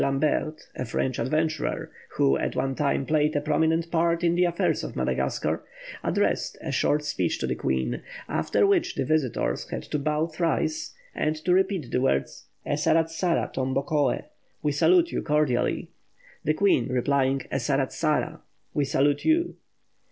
Lambret, a French adventurer, who at one time played a prominent part in the affairs of Madagascar addressed a short speech to the Queen; after which the visitors had to bow thrice, and to repeat the words "Esaratsara tombokoe" (We salute you cordially), the Queen replying, "Esaratsara" (We salute you).